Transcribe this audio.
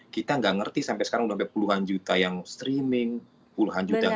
kita nggak ngerti sampai sekarang udah sampai puluhan juta yang streaming puluhan juta